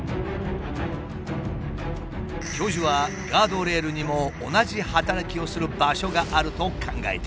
教授はガードレールにも同じ働きをする場所があると考えている。